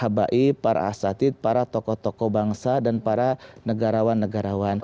jadi tidak hanya diundang undang para alim ulama para asatid para tokoh tokoh bangsa dan para negarawan negarawan